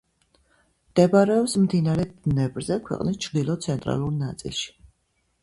მდებარეობს მდინარე დნეპრზე ქვეყნის ჩრდილო-ცენტრალურ ნაწილში.